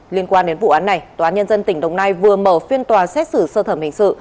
liên quan đến vụ án này tòa nhân dân tỉnh đồng nai vừa mở phiên tòa xét xử sơ thẩm hình sự